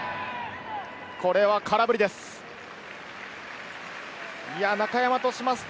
これは空振りです。